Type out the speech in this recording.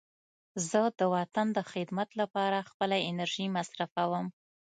زه د وطن د خدمت لپاره خپله انرژي مصرفوم.